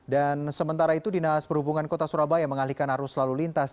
dan sementara itu dinas perhubungan kota surabaya mengalihkan arus lalu lintas